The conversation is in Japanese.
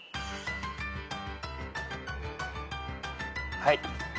はい。